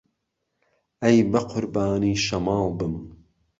ئهی به قوربانی شهماڵ بم